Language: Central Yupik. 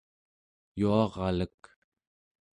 yuaralek